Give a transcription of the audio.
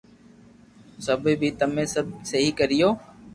سپي بي تمي سب سھي ڪريو